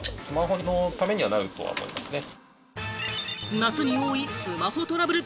夏に多いスマホトラブル。